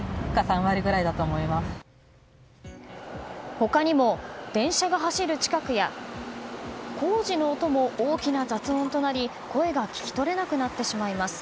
他にも電車が走る近くや工事の音も大きな雑音となり声が聞き取れなくなってしまいます。